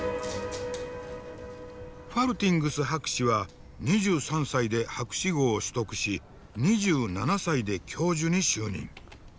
ファルティングス博士は２３歳で博士号を取得し２７歳で教授に就任。